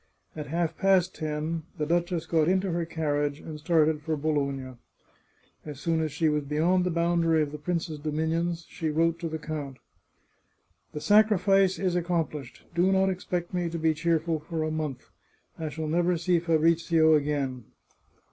At half past ten the duchess got into her carriage and started for Bologna. As soon as she was be yond the boundary of the prince's dominions she wrote to the count: " The sacrifice is accomplished. Do not expect me to be cheerful for a month. I shall never see Fabrizio again.